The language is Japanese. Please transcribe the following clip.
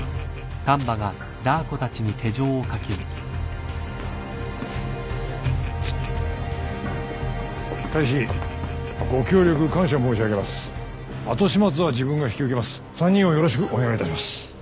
３人をよろしくお願いいたします。